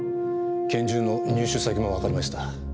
拳銃の入手先もわかりました。